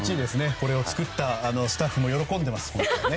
これを作ったスタッフも喜んでます。